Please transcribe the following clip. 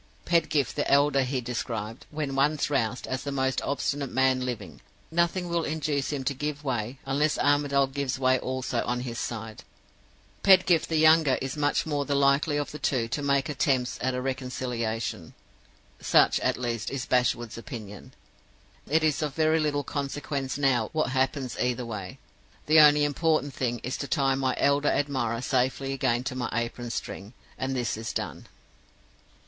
Pedgift the elder he described, when once roused, as the most obstinate man living; nothing will induce him to give way, unless Armadale gives way also on his side. Pedgift the younger is much the more likely of the two to make attempts at a reconciliation. Such, at least, is Bashwood's opinion. It is of very little consequence now what happens either way. The only important thing is to tie my elderly admirer safely again to my apron string. And this is done.